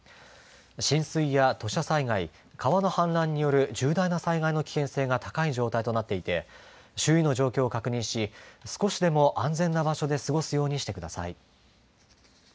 浸水や土砂災害川の氾濫による重大な災害の危険性が高い状態となっていて周囲の状況を確認し少しでも安全な場所で過ごすようにしてください。